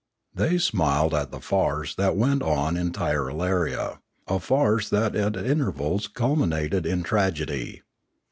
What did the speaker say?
They smiled 532 Limanora at the farce that went on in Tirralaria, a farce that at intervals culminated in tragedy.